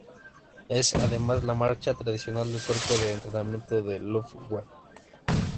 Es, además, la marcha tradicional del cuerpo de entrenamiento de la Luftwaffe.